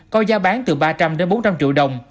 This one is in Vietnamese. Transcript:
có giá bán từ ba trăm linh bốn trăm linh triệu đồng